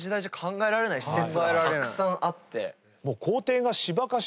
たくさんあって。